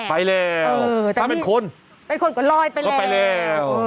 ไปแล้วถ้าเป็นคนก็ลอยไปแล้ว